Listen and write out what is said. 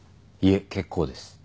いえ結構です。